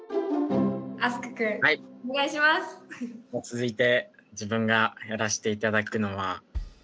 続いて自分がやらしていただくのは。